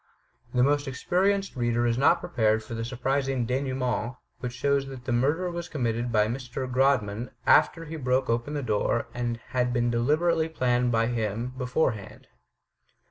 The most experienced reader is not prepared for the sur prizing denouement, which shows that the murder was com mitted by Mr. Grodman, after he broke open the door, and had been deliberately planned for by him, beforehand.